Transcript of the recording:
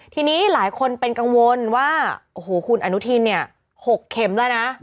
ทีนี้หลายคนเป็นกังวลว่าโอ้โหคุณอนุทินเนี่ย๖เข็มแล้วนะ